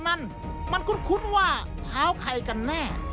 นั่นมันคุ้นว่าเท้าใครกันแน่